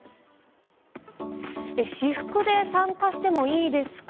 私服で参加してもいいですか？